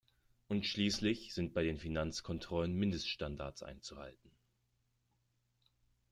Und schließlich sind bei den Finanzkontrollen Mindeststandards einzuhalten.